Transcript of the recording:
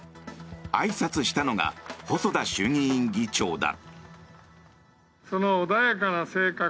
あいさつしたのが細田衆議院議長だ。